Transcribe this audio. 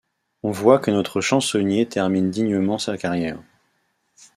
On voit que notre chansonnier termine dignement sa carrière.